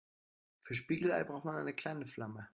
Für Spiegelei braucht man eine kleine Flamme.